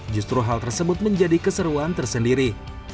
justru hal tersebut menjadi keseruan tersendiri